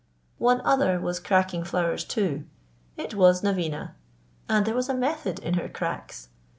One other was cracking flowers too. It was Naveena, and there was a method in her cracks.